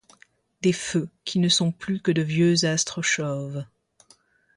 Des feux qui ne sont plus que de vieux astres chauves ;